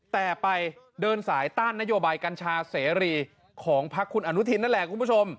แต่ไปเดินสายต้านนโยบายกัญชาเสรีของพักคุณอนุทินนั่นแหละคุณผู้ชม